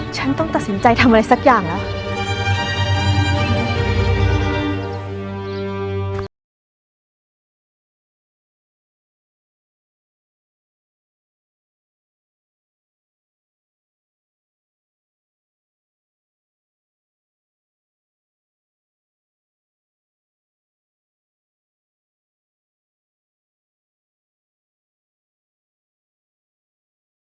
ฉันต้องตัดสินใจทำอะไรสักอย่างแล้ว